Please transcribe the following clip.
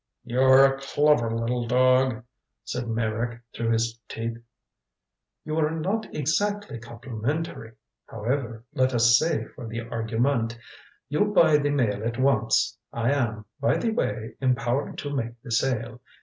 "You're a clever little dog," said Meyrick, through his teeth. "You are not exactly complimentary. However let us say for the argument you buy the Mail at once. I am, by the way, empowered to make the sale.